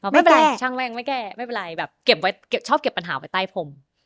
ไม่เป็นไรช่างแม่งไม่แก้ชอบเก็บปัญหาไว้ใต้ผม